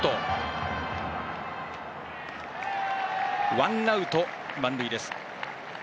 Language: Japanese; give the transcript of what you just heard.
ワンアウト、満塁です。